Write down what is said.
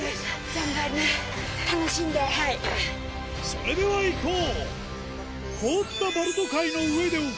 それではいこう！